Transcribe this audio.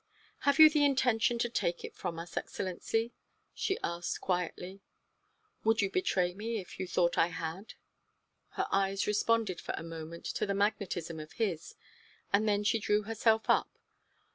"Have you the intention to take it from us, Excellency?" she asked quietly. "Would you betray me if you thought I had?" Her eyes responded for a moment to the magnetism of his, and then she drew herself up.